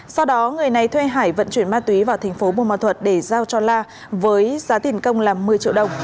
sau đó người này thuê hải vận chuyển ma túy vào thành phố bùa ma thuật để giao cho la với giá tiền công là một mươi triệu đồng